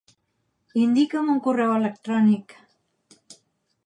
Indica'm un correu electrònic.